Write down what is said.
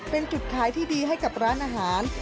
เป็นจุดขายที่ดีให้กับร้านอาหาร